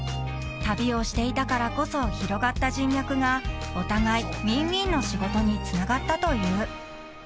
［旅をしていたからこそ広がった人脈がお互いウィンウィンの仕事につながったという］